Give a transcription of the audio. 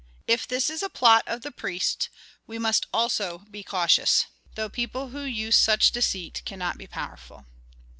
If this is a plot of the priests we must also be cautious. Though people who use such deceit cannot be powerful."